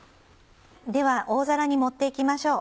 では大皿に盛って行きましょう。